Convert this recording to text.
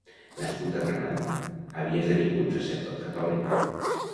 Nascut a Granada, havia esdevingut sacerdot catòlic.